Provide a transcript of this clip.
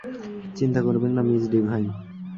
চিন্তা করবেন না, মিস ডিভাইন।